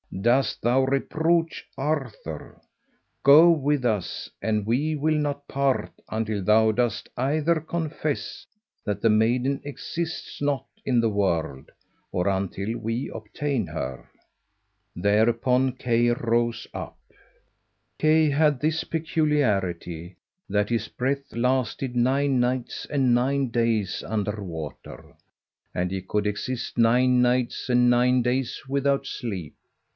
dost thou reproach Arthur? Go with us, and we will not part until thou dost either confess that the maiden exists not in the world, or until we obtain her." Thereupon Kay rose up. Kay had this peculiarity, that his breath lasted nine nights and nine days under water, and he could exist nine nights and nine days without sleep.